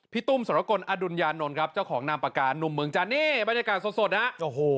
พี่ตุ้มสาระกลอดุญญานนรครับเจ้าของนามประกาศหนุ่มเมืองจานเนี่ยบรรยากาศสดน่ะโอ้โห